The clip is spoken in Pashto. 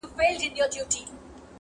له هغې ویري مي خوب له سترګو تللی!!